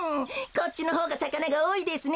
こっちのほうがさかながおおいですね。